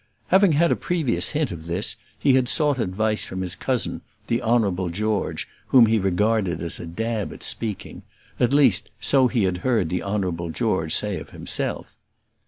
Having had a previous hint of this, he had sought advice from his cousin, the Honourable George, whom he regarded as a dab at speaking; at least, so he had heard the Honourable George say of himself.